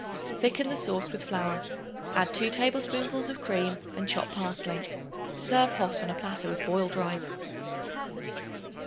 Thicken the sauce with flour; add 2 tablespoonfuls of cream and chopped parsley. Serve hot on a platter with boiled rice.